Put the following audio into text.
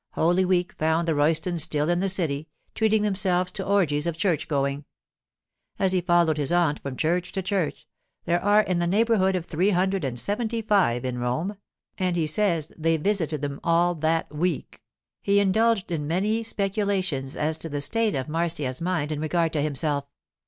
Holy Week found the Roystons still in the city, treating themselves to orgies of church going. As he followed his aunt from church to church (there are in the neighbourhood of three hundred and seventy five in Rome, and he says they visited them all that week) he indulged in many speculations as to the state of Marcia's mind in regard to himself.